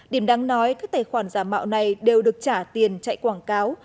điểm đáng nói các tài khoản giả mạo này đều được trả tiền chạy quảng cáo